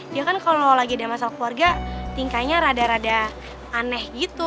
dia kan kalau lagi ada masalah keluarga tingkahnya rada rada aneh gitu